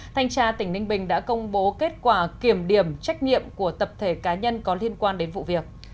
thanh tra tỉnh ninh bình đã công bố kết quả kiểm điểm trách nhiệm của tập thể cá nhân có liên quan đến vụ việc